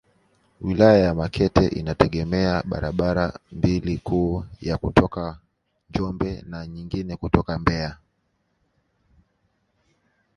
Wilaya ya Makete inategemea barabara mbili kuu ya kutoka Njombe na nyingine kutoka Mbeya